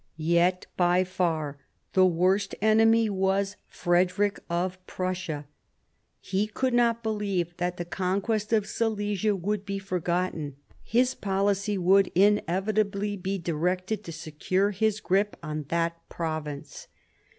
Yet by far the worst enemy was Frederick of Prussia. He could not believe that the conquest of Silesia would be forgotten ; his policy would inevitably be directed to secure his grip on that province.